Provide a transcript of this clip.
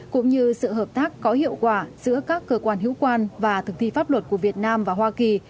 cũng như sự hợp tác có hiệu quả giữa các cơ quan hữu quan và thực thi pháp luật của việt nam và hoa kỳ